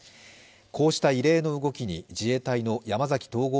こうした異例の動きに自衛隊の山崎統合